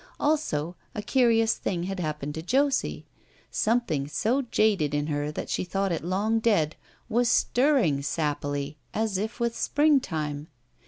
Also, a curious thing had happened to Josie. Something so jaded in her that she thought it long dead, was stirring sappily, as if with springtime.